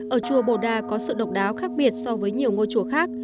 ở chùa bổ đà có sự độc đáo khác biệt so với nhiều ngôi chùa khác